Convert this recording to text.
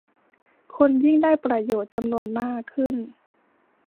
คนยิ่งได้ประโยชน์จำนวนมากขึ้น